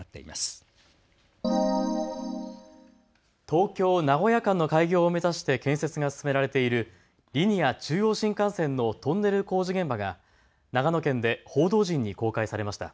東京・名古屋間の開業を目指して建設が進められているリニア中央新幹線のトンネル工事現場が長野県で報道陣に公開されました。